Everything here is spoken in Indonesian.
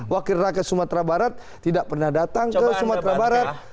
wakil rakyat sumatera barat tidak pernah datang ke sumatera barat